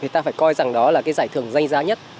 thì ta phải coi rằng đó là cái giải thưởng danh giá của chúng tôi